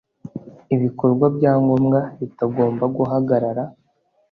ibikorwa bya ngombwa bitagomba guhagarara